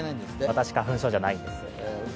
私、花粉症じゃないんですよ。